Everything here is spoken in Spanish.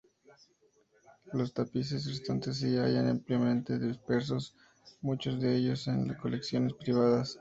Los tapices restantes se hallan ampliamente dispersos, muchos de ellos en colecciones privadas.